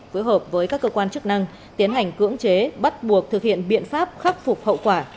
phối hợp với các cơ quan chức năng tiến hành cưỡng chế bắt buộc thực hiện biện pháp khắc phục hậu quả